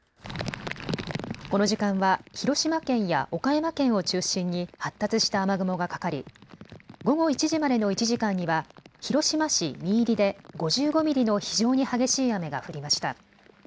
この時間は広島県や岡山県を中心に発達した雨雲がかかり午後１時までの１時間には広島市三入で５５ミリの非常に激しい雨が降りました。